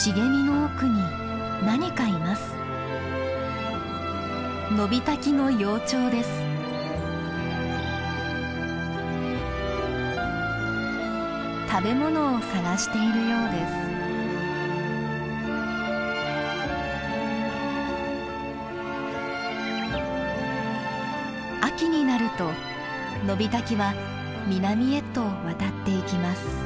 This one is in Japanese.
秋になるとノビタキは南へと渡っていきます。